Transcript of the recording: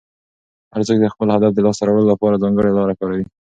هر څوک د خپل هدف د لاسته راوړلو لپاره ځانګړې لاره کاروي.